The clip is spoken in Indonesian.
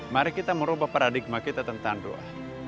mari kita merubah paradigma kita tentang doa